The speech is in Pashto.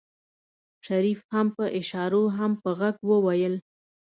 شريف هم په اشارو هم په غږ وويل.